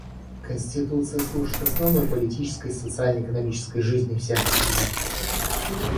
Конституция служит основой политической и социально-экономической жизни всех государств.